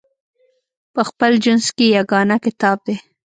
په خپل جنس کې یګانه کتاب دی.